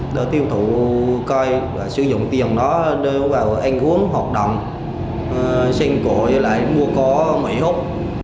đưa tiêu thụ coi và sử dụng tiền đó đưa vào anh uống hoạt động xin cổ lại mua cỏ mỹ úc